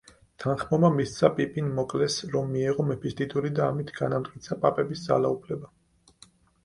თანხმობა მისცა პიპინ მოკლეს, რომ მიეღო მეფის ტიტული და ამით განამტკიცა პაპების ძალაუფლება.